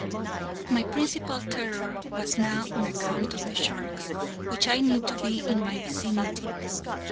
My principal terror was now on account of the sharks, which I knew to be in my vicinity.